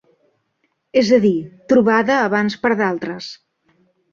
És a dir, trobada abans per d'altres.